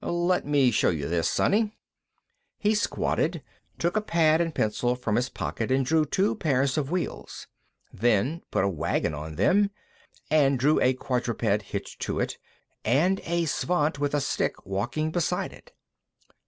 "Let me show you this, Sonny." He squatted, took a pad and pencil from his pocket, and drew two pairs of wheels, and then put a wagon on them, and drew a quadruped hitched to it, and a Svant with a stick walking beside it.